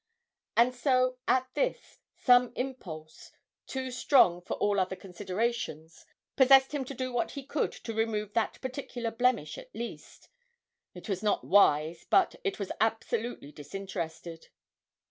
And so at this, some impulse, too strong for all other considerations, possessed him to do what he could to remove that particular blemish at least it was not wise, but it was absolutely disinterested.